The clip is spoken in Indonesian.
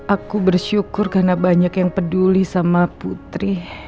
aku bersyukur karena banyak yang peduli sama putri